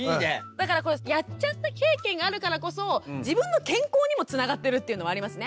だからこれやっちゃった経験があるからこそ自分の健康にもつながってるっていうのもありますね。